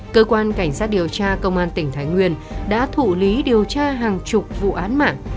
cơ quan cảnh sát điều tra công an tỉnh thái nguyên đã thủ lý điều tra hàng chục vụ án mạng